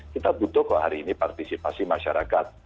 kita butuh kok hari ini partisipasi masyarakat